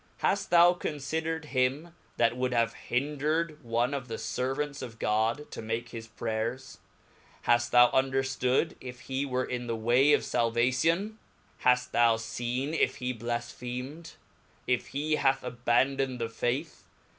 Haft thou confider'ed him that would have hindred one of the fervants of God to make his prayers ? haft thou underftood if he were in the way of falvati on? haft thou feen if he blafphemed .> if he hath abandoned the faith